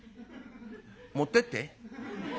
「持ってって。